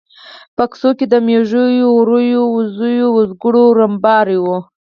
په کوڅو کې د مېږو، وريو، وزو او وزګړو رمبهار و.